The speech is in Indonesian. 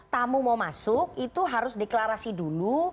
tamu mau masuk itu harus deklarasi dulu